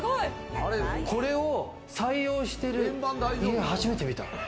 これを採用している家を初めて見た。